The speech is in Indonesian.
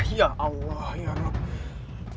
ya allah ya allah